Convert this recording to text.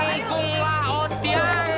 mengkunglah oh tiang